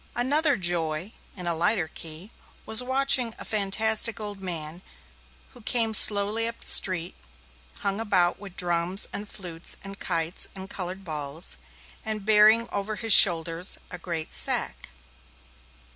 Another joy, in a lighter key, was watching a fantastic old man who came slowly up the street, hung about with drums and flutes and kites and coloured balls, and bearing over his shoulders a great sack.